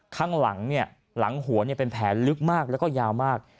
ข้างหลังหลังหัวเป็นแผลลึกมากแล้วก็ยาวมาก